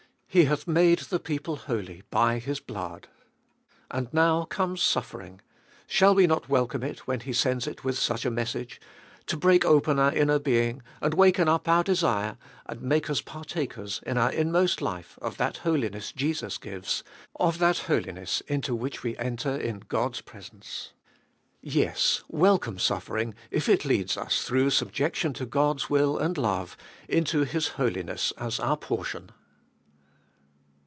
He hath made the people holy by His blood. And now comes suffering — shall we not welcome it when He sends it with such a message — to break open our inner being, and waken up our desire, and make us partakers in our inmost life of that holiness Jesus gives, of that holiness into which we enter in God's presence. Yes, welcome suffering, if it leads us, through subjection to God's will and love, into His holiness as our portion.